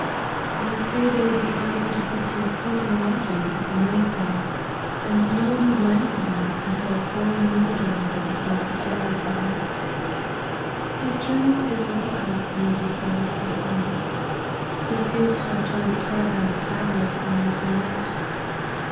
They were afraid they would be unable to procure food and lodging, as their money failed, and no one would lend to them, until a poor mule driver became security LIFE OF HENRY MARTYtf. 167 for them. His journal is little else than a detail of Bufferings. He appears to have joined a caravan of travellers going the same route.